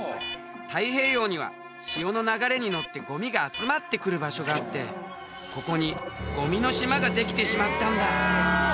太平洋には潮の流れに乗ってごみが集まってくる場所があってここにごみの島ができてしまったんだ！